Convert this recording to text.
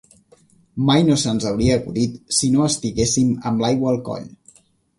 Mai no se'ns hauria acudit si no estiguéssim amb l'aigua al coll.